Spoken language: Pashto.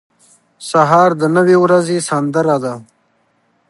سهار د نوې ورځې سندره ده.